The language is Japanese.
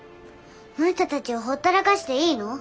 その人たちをほったらかしていいの？